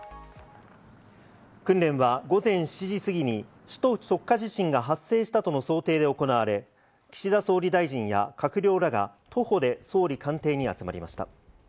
訓練は午前７時過ぎに首都直下地震が発生したとの想定で行われ、岸田総理大臣や閣僚らが徒歩で総理官邸に集まりました。